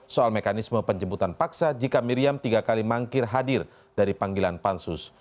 soal mekanisme penjemputan paksa jika miriam tiga kali mangkir hadir dari panggilan pansus